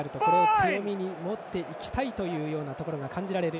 強みに持っていきたいというところが感じられる。